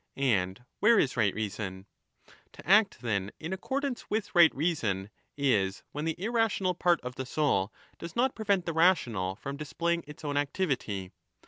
And where is right reason?' To act, then, in lo accordance with right reason is when the irrational part of the soul does not prevent the rational from displaying its own activity.